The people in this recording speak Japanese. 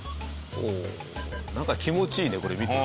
なんか気持ちいいねこれ見てると。